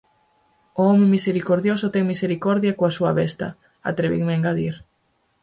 «O home misericordioso ten misericordia coa súa besta» —atrevinme a engadir.